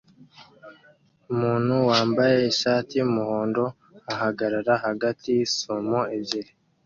Umuntu wambaye ishati yumuhondo ahagarara hagati yisumo ebyiri